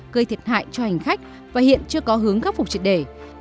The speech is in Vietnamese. gây thiệt hại cho hành khách và hiện chưa có hướng khắc phục triệt để